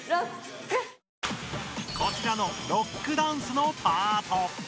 こちらのロックダンスのパート。